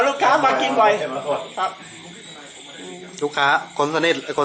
ลูกค้ามากินบ่อยครับลูกค้าคนสำคัญเลยนะครับ